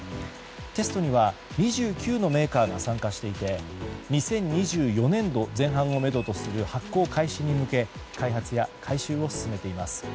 テストには２９のメーカーが参加していて２０２４年度前半をめどとする発行開始に向け開発や改修を進めています。